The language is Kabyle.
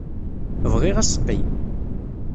Bɣiɣ aseqqi.